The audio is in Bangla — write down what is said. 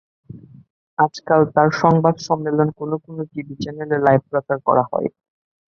আজকাল তাঁর সংবাদ সম্মেলন কোনো কোনো টিভি চ্যানেলে লাইভ প্রচার করা হয়।